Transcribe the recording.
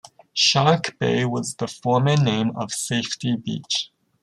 Shark Bay was the former name of Safety beach.